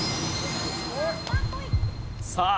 さあ